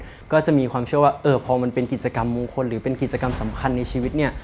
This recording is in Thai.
แล้วก็จะมีความเชื่อว่าเออพอมันเป็นกิจกรรมมงคลหรือเป็นกิจกรรมสำคัญในชีวิตเนี่ย